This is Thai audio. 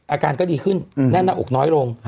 อาการก็ดีขึ้นแน่นหน้าอกน้อยลง